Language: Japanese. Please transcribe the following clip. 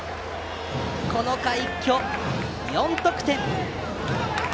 この回、一挙４得点！